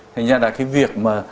thành ra là cái việc mà